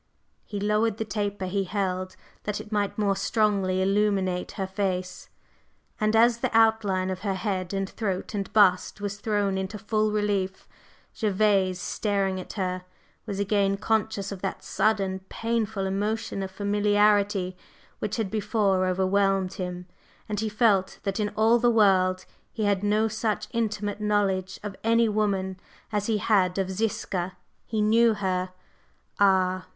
He lowered the taper he held that it might more strongly illumine her face, and as the outline of her head and throat and bust was thrown into full relief, Gervase, staring at her, was again conscious of that sudden, painful emotion of familiarity which had before overwhelmed him, and he felt that in all the world he had no such intimate knowledge of any woman as he had of Ziska. He knew her! Ah!